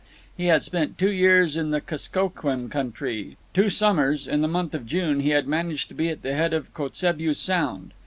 He had spent two years in the Kuskokwim country. Two summers, in the month of June, he had managed to be at the head of Kotzebue Sound.